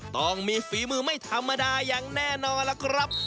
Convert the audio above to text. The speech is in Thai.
ต้องมีฝีมือไม่ธรรมดาอย่างแน่นอนล่ะครับ